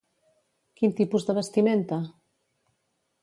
Quin tipus de vestimenta?